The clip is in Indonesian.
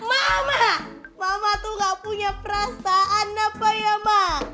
mama mama tuh gak punya perasaan apa ya ma